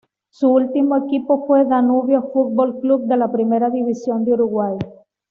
Su último equipo fue Danubio Fútbol Club de la Primera División de Uruguay.